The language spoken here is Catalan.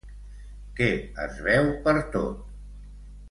Què es veu pertot?